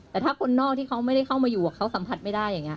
แต่ถ้าคนนอกที่เขาไม่ได้เข้ามาอยู่เขาสัมผัสไม่ได้อย่างนี้